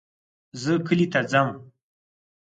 زه کلي ته ځم